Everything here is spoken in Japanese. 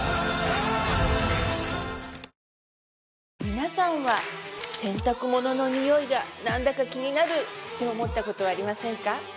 皆さんは洗濯物のニオイがなんだか気になるって思ったことはありませんか？